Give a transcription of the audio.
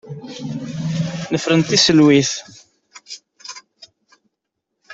Nefren-it i tselwit.